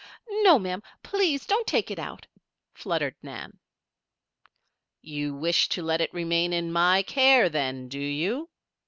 "No, ma'am! please don't take it out," fluttered Nan. "You wish to let it remain in my care, then, do you?"